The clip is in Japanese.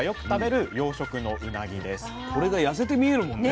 これが痩せて見えるもんね。